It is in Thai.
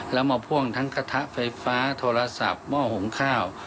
แล้วมาพ่วงทั้งกระทะไฟฟ้าโทรศัพท์หม้อหงข้าว